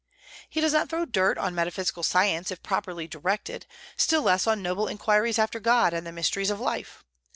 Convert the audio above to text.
He does not throw dirt on metaphysical science if properly directed, still less on noble inquiries after God and the mysteries of life.